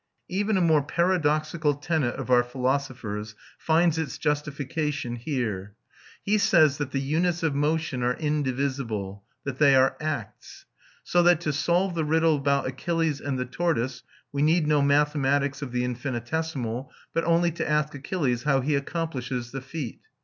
Even a more paradoxical tenet of our philosopher's finds it justification here. He says that the units of motion are indivisible, that they are acts; so that to solve the riddle about Achilles and the tortoise we need no mathematics of the infinitesimal, but only to ask Achilles how he accomplishes the feat.